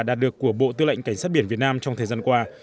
đạt được của bộ tư lệnh cảnh sát biển việt nam trong thời gian qua